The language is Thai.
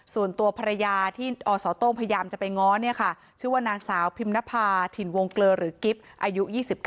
ส่วนตัวภรรยาที่อสโต้งพยายามจะไปง้อชื่อว่านางสาวพิมนภาถิ่นวงเกลือหรือกิฟต์อายุ๒๙